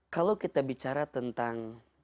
kalau kita bicara tentang